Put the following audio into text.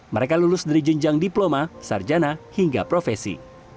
mereka lulus dari jenjang diploma sarjana hingga profesi